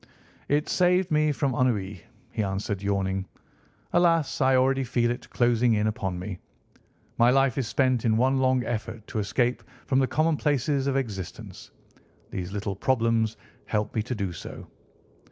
"It saved me from ennui," he answered, yawning. "Alas! I already feel it closing in upon me. My life is spent in one long effort to escape from the commonplaces of existence. These little problems help me to do so."